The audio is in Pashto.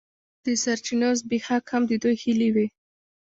د سرچینو زبېښاک هم د دوی هیلې وې.